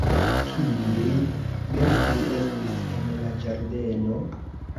Kiuj birdoj estis en la ĝardeno?